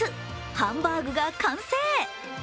ハンバーグが完成。